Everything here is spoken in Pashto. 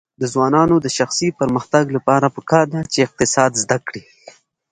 د ځوانانو د شخصي پرمختګ لپاره پکار ده چې اقتصاد زده کړي.